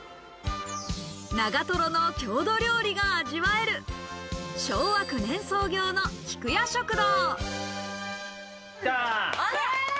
長瀞の郷土料理が味わえる、昭和９年創業の喜久家食堂。